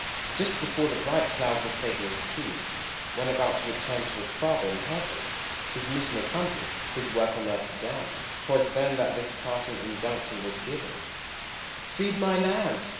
Just before the bright cloud the Saviour received, When about to return to his father in Heaven; His mission accomplished, his work on earth done, 'Twas then that this parting injunction was given: "Feed my lambs!"